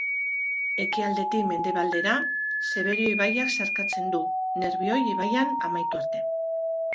Ekialdetik mendebaldera, Zeberio ibaiak zeharkatzen du, Nerbioi ibaian amaitu arte.